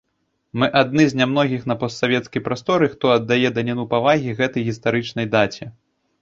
Мы адны з нямногіх на постсавецкай прасторы, хто аддае даніну павагі гэтай гістарычнай даце.